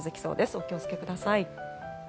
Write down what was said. お気をつけください。